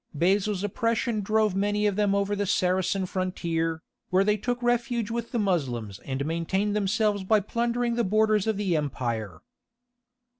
Basil's oppression drove many of them over the Saracen frontier, where they took refuge with the Moslems and maintained themselves by plundering the borders of the empire.